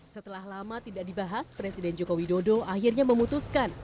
setelah lama tidak dibahas presiden joko widodo akhirnya memutuskan